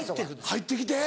入ってきて？